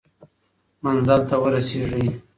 منزل ته ورسېږئ.